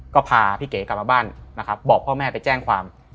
ก็พาพี่เก๋กลับมาบ้านนะครับบอกพ่อแม่ไปแจ้งความ